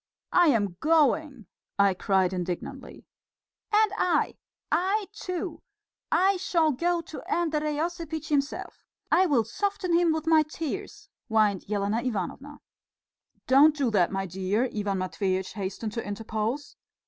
"I am going!" I cried indignantly. "And I! I too! I shall go to Andrey Osipitch himself. I will soften him with my tears," whined Elena Ivanovna. "Don't do that, my dear," Ivan Matveitch hastened to interpose.